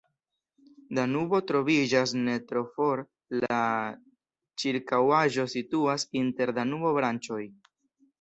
Danubo troviĝas ne tro for, la ĉirkaŭaĵo situas inter Danubo-branĉoj.